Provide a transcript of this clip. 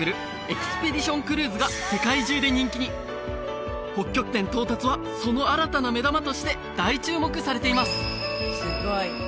エクスペディションクルーズが世界中で人気に北極点到達はその新たな目玉として大注目されています